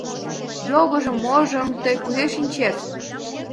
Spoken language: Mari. — Йогыжым-можым тый кузе шинчет?